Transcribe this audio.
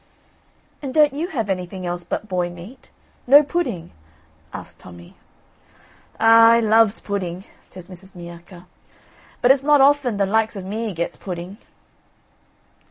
"And don't you have anything else but boy meat? No pudding?" asked Tommy. "Ah, I loves pudding," says Mrs. Miacca. "But it's not often the likes of me gets pudding."